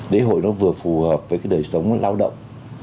lễ hội nó vừa phù hợp với cái đời sống lao động